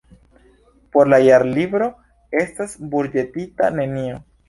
Por la Jarlibro estas buĝetita nenio.